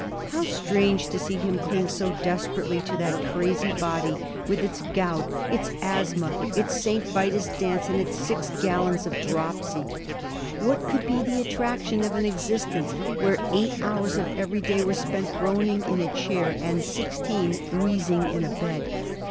How strange to see him cling so desperately to that crazy body, with its gout, its asthma, its St. Vitus' dance, and its six gallons of dropsy! What could be the attraction of an existence where eight hours of every day were spent groaning in a chair, and sixteen wheezing in a bed?